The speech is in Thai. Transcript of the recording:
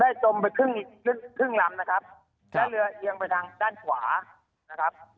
จมไปครึ่งครึ่งลำนะครับแล้วเรือเอียงไปทางด้านขวานะครับ